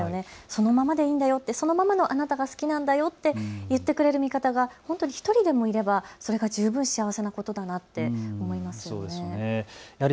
そのままでいいんだよってそのままのあなたが好きなんだよって言ってくれる味方が本当に１人でもいればそれが十分幸せなことだなって思いますよね。